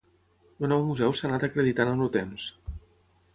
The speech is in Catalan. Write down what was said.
El nou museu s'ha anat acreditant amb el temps.